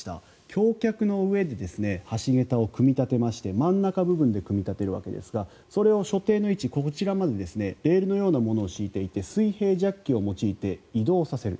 橋脚の上で橋げたを組み立てまして真ん中部分で組み立てるわけですがそれを所定の位置、この位置にレールのようなものを敷いていて水平ジャッキを用いて移動させる。